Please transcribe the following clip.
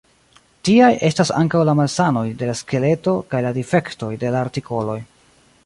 Tiaj estas ankaŭ la malsanoj de la skeleto, kaj la difektoj de la artikoloj.